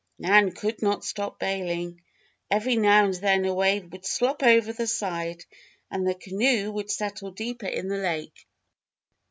Nan could not stop bailing. Every now and then a wave would slop over the side and the canoe would settle deeper in the lake.